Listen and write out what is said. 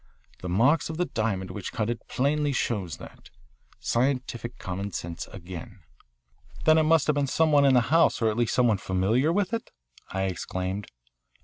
The marks of the diamond which cut it plainly show that. Scientific common sense again." "Then it must have been some one in the house or at least some one familiar with it?"I exclaimed.